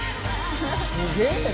すげえな。